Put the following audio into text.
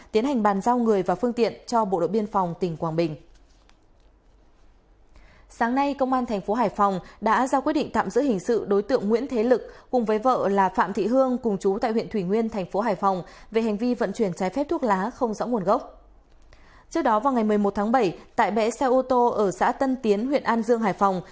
trước đó vào ngày một mươi một tháng bảy tại bẽ xe ô tô ở xã tân tiến huyện an dương hải phòng